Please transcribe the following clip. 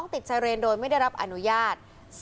๒ติดเจริญโดยไม่ได้รับอนุญาต